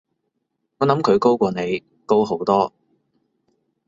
我諗佢高過你，高好多